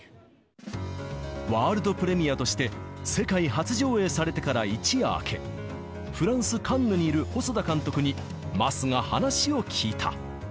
ワールドプレミアとして、世界初上映されてから一夜明け、フランス・カンヌにいる細田監督に、桝が話を聞いた。